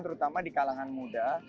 terutama di kalangan muda